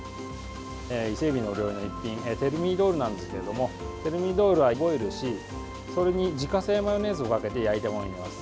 伊勢えびのお料理の一品テルミドールなんですけれどもテルミドールはボイルしそれに自家製マヨネーズをかけて焼いたものになります。